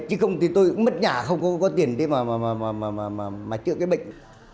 chứ không thì tôi mất nhà không có tiền để mà chữa cái bệnh